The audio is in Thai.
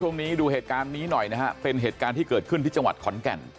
ดูเหตุการณ์นี้หน่อยนะฮะเป็นเหตุการณ์ที่เกิดขึ้นที่จังหวัดขอนแก่น